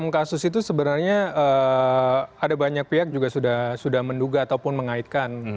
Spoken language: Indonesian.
enam kasus itu sebenarnya ada banyak pihak juga sudah menduga ataupun mengaitkan